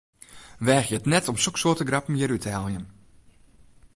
Weagje it net om soksoarte grappen hjir út te heljen!